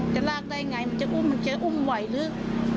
จะลากได้ไงมันจะอุ้มไหวหรือ